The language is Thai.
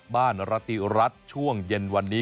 รติรัฐช่วงเย็นวันนี้